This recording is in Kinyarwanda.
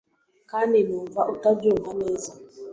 kandi wumva utabyumva neza